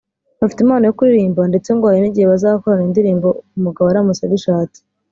bafite impano yo kuririmba ndetse ngo hari n’igihe bazakorana indirimbo umugabo aramutse abishatse